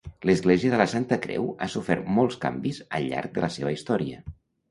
L'església de la Santa Creu ha sofert molts canvis al llarg de la seva història.